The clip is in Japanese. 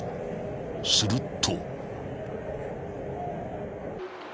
［すると］